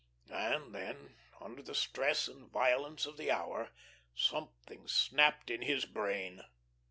And then, under the stress and violence of the hour, something snapped in his brain.